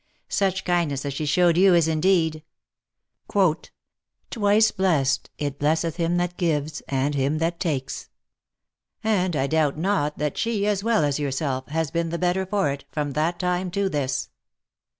Such kindness as she showed you is, indeed, twice blest, It blesseth him that gives, and him that takes : and I doubt not that she, as well as yourself, has been the better for it, from that time to this."